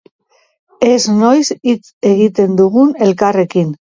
Ez noiz hitz egiten dugun elkarrekin.